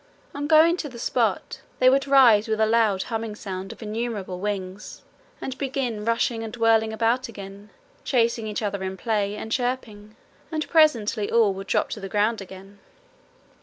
On going to the spot they would rise with a loud humming sound of innumerable wings, and begin rushing and whirling about again, chasing each other in play and chirping, and presently all would drop to the ground again.